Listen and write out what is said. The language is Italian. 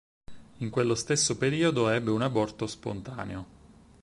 In quello stesso periodo ebbe un aborto spontaneo.